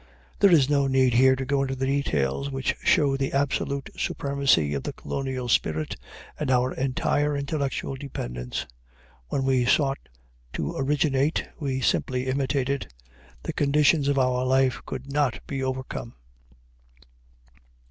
There is no need here to go into the details which show the absolute supremacy of the colonial spirit and our entire intellectual dependence. When we sought to originate, we simply imitated. The conditions of our life could not be overcome.